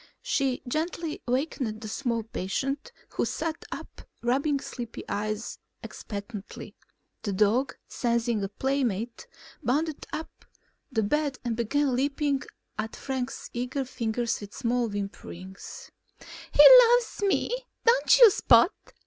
She gently wakened the small patient, who sat up rubbing sleepy eyes expectantly. The dog, sensing a play mate, bounded upon the bed and began lapping at Frank's eager fingers with small whimperings. "He loves me. Don't you, Spot?